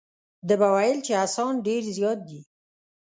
ده به ویل چې اسان ډېر زیات دي.